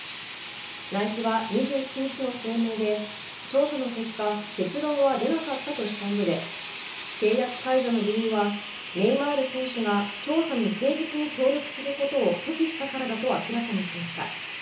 ナイキは２７日の声明で調査の結果結論は出なかったとしたうえで契約解除の理由はネイマール選手が調査に誠実に協力することを拒否したからだと明らかにしました。